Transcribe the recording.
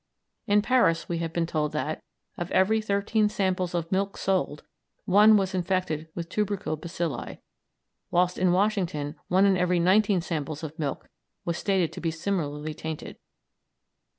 In Paris we have been told that, of every thirteen samples of milk sold, one was infected with tubercle bacilli, whilst in Washington one in every nineteen samples of milk was stated to be similarly tainted.